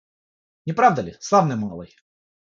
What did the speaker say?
Неправда ли, славный малый?